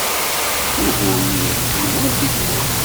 Ugur-nni yeqqim war tifrat.